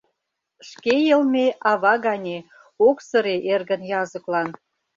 Шке йылме — ава гане, ок сыре эргын языклан.